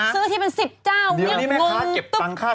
ซื้อทีเป็น๑๐เจ้า